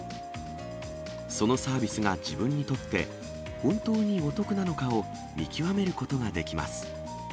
そのサービスが自分にとって、本当にお得なのかを見極めることができます。